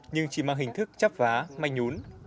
nhưng chỉ mang hình thức chắp vá manh nhún